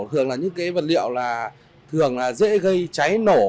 thường là những cái vật liệu là thường là dễ gây cháy nổ